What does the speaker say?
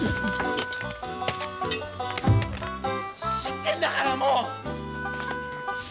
知ってんだからもう！